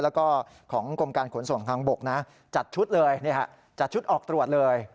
แล้วก็ของกรมการขนส่งทางบกนะจัดชุดเลยจัดชุดออกตรวจเลย